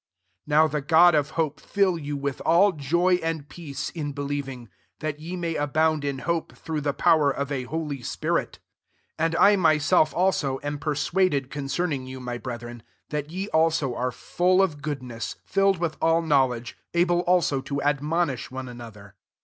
'' 13 Now the God of hope fill you with all joy and peace, in believing ; that ye may abound in hope, through the power of a holy spirit. 14 AwD I myself also am per suaded concerning you« my brethren, that ye also are full of goodness, filled wijth all know ledge, able also to admonish one another.